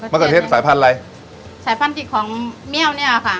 เขือเทศสายพันธุ์อะไรสายพันธุ์ของเมียวเนี้ยค่ะ